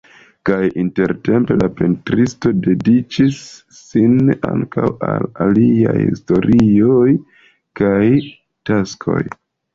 Kaj intertempe la pentristo dediĉis sin ankaŭ al aliaj historioj kaj taskoj.